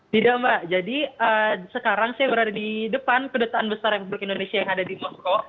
tidak mbak jadi sekarang saya berada di depan kedutaan besar republik indonesia yang ada di moskow